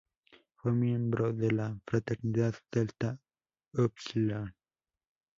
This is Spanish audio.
Fue miembro de la fraternidad Delta Upsilon.